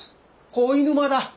鯉沼だ。